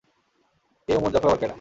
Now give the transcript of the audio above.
এই ওমর জাফর আবার কেডা?